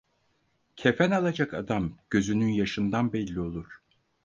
Kefen alacak adam gözünün yaşından belli olur.